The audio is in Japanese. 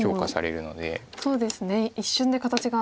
そうですね一瞬で形が。